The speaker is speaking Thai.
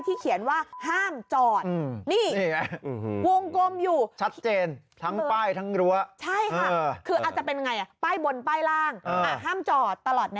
ถ้าเกิดว่ามีอย่างนี้อันนี้ครอบครัวหัวร้อน